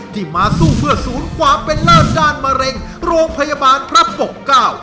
ที่มาสู้เพื่อศูนย์ความเป็นเลิศด้านมะเร็งโรงพยาบาลพระปกเก้า